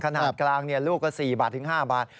ขนาดกลางลูกก็๔๕บาท